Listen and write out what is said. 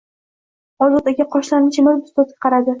Ozod aka qoshlarini chimirib ustozga qaradi: